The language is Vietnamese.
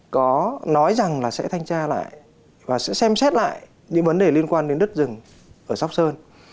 có nói rằng là sẽ thanh tra lại và sẽ xem xét lại những vấn đề liên quan đến đất rừng ở sóc sơn